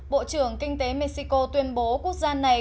bộ trưởng kinh tế mexico tuyên bố quốc gia này